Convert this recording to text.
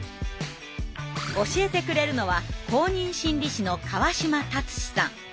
教えてくれるのは公認心理師の川島達史さん。